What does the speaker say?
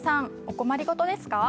お困り事ですか？